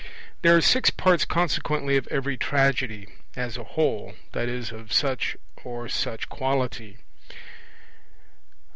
There are six parts consequently of every tragedy, as a whole, that is, of such or such quality, viz.